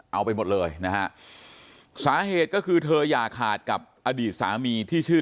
เอาไปหมดเลยนะฮะสาเหตุก็คือเธออย่าขาดกับอดีตสามีที่ชื่อ